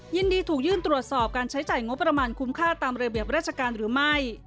ยินดีถูกยื่นตรวจสอบการใช้จ่ายงบประมาณคุ้มค่าตามระเบียบราชการหรือไม่